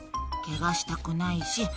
「ケガしたくないし」